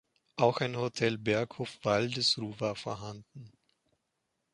Auch ein Hotel „Berghof Waldesruh“ war vorhanden.